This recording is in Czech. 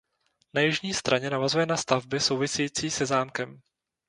Na jižní straně navazuje na stavby související se zámkem.